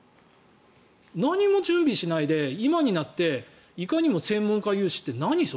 何も準備しないで今になって何、専門家有志って。